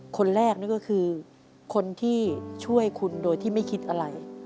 คนแรกนั่นก็คือคนที่ช่วยคุณโดยที่ไม่คิดอะไร